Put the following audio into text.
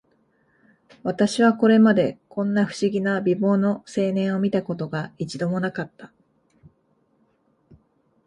私はこれまで、こんな不思議な美貌の青年を見た事が、一度も無かった